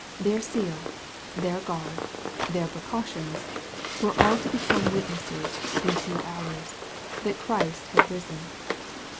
Their seal, their guard, their precautions, were all to become witnesses, in a few hours, that Christ had risen.